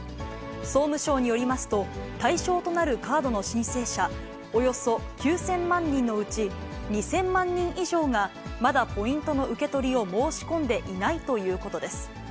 総務省によりますと、対象となるカードの申請者およそ９０００万人のうち、２０００万人以上がまだポイントの受け取りを申し込んでいないということです。